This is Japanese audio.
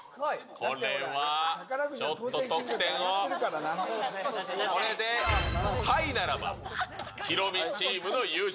これはちょっと得点を、これでハイならばヒロミチームの優勝。